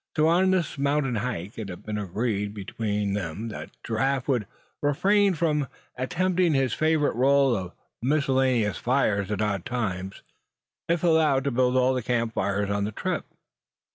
So on this mountain hike it had been agreed between them that Giraffe would refrain from attempting his favorite rôle of making miscellaneous fires at odd times, if allowed to build all the camp fires of the trip.